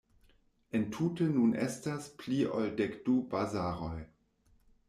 Entute nun estas pli ol dekdu bazaroj.